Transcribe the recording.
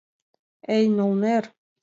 — Эй, нолнер!